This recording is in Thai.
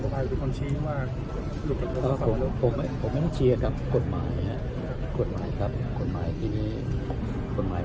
สมมติว่าเราไม่อุทธรณ์คดียังไม่จบจะทำอย่างไรจะทำอย่างนี้ครับ